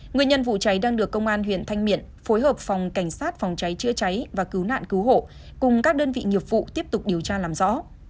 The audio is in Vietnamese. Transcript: nguyên nhân vụ cháy đang được công an huyện thanh miện phối hợp phòng cảnh sát phòng cháy chữa cháy và cứu nạn cứu hộ cùng các đơn vị nghiệp vụ tiếp tục điều tra làm rõ